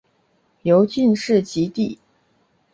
由进士擢第。